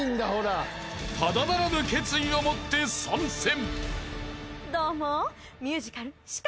［ただならぬ決意をもって参戦］